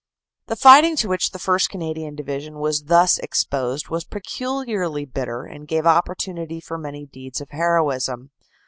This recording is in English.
The fighting to which the 1st. Canadian Division was thus exposed was peculiarly bitter and gave opportunity for many deeds of heroism.